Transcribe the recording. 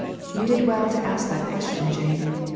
You did well to ask that question, Jane.